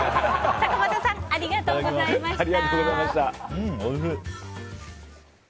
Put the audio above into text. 坂本さんありがとうございました。